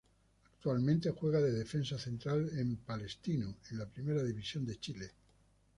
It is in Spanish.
Actualmente juega de defensa central en Palestino en la Primera División de Chile.